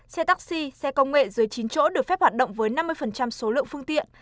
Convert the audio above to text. xe taxi xe công nghệ dưới chín chỗ được phép hoạt động với năm mươi số lượng phương tiện